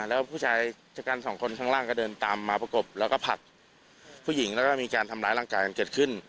แล้วผู้ชายชะกันสองคนข้างล่างก็เดินตามมาประกบแล้วก็ผลักผู้หญิงแล้วก็มีการทำร้ายร่างกายกันเกิดขึ้น